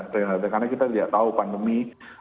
karena kita tidak tahu pandemi